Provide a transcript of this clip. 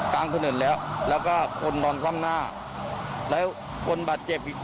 ก็คือเสียงรถล้มครับพี่